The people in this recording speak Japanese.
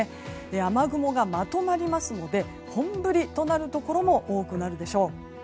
雨雲がまとまりますので本降りとなるところも多くなるでしょう。